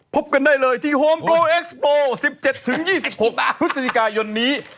พบกันได้เลยที่โฮมโปรเอ็กซ์โปร๑๗๒๖พฤศจิกายนนี้